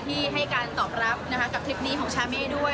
ที่ให้การตอบรับกับทริปนี้ของชาเม่ด้วย